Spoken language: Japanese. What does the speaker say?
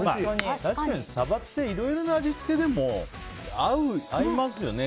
確かにサバっていろいろな味付けでも合いますよね。